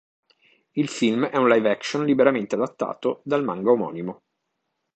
Il film è un live action liberamente adattato dal manga omonimo.